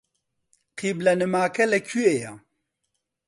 قیبلەنماکە لەکوێیە؟